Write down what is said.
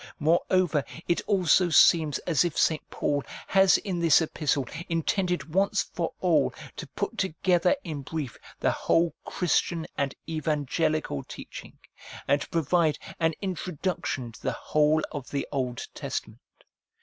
Moreover, it also seems as if St. Paul has in this epistle intended once for all to put together in brief the whole Christian and evangelical teaching, and to provide an introduction to the whole of the Old Testament.